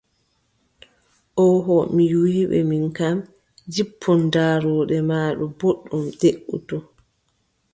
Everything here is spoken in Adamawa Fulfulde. Ooho mi wii ɓe min kam, jippun daarooɗe ma ɗo booɗɗum, deʼutu.